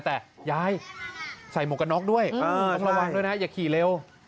แต่ยายใส่หมวกกันน็อกด้วยต้องระวังด้วยนะอย่าขี่เร็ว